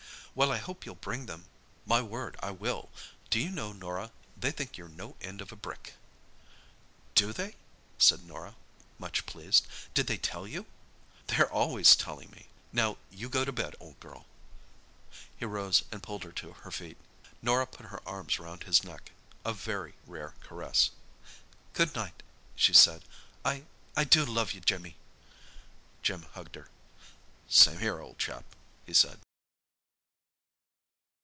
"Well, I hope you'll bring them." "My word! I will. Do you know, Norah, they think you're no end of a brick?" "Do they?" said Norah, much pleased. "Did they tell you?" "They're always telling me. Now, you go to bed, old girl." He rose and pulled her to her feet. Norah put her arms round his neck—a very rare caress. "Good night," she said. "I—I do love you, Jimmy!" Jim hugged her. "Same here, old chap," he said.